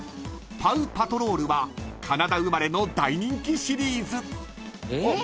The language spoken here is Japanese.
［『パウ・パトロール』はカナダ生まれの大人気シリーズ］